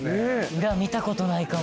裏見たことないかも。